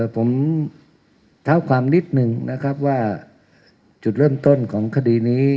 ผมเท้าความนิดนึงนะครับว่าจุดเริ่มต้นของคดีนี้